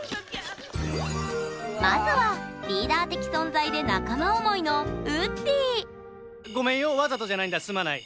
まずはリーダー的存在で仲間思いのごめんよわざとじゃないんだすまない。